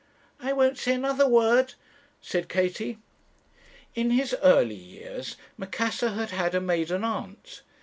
'I won't say another word,' said Katie. "In his early years Macassar had had a maiden aunt.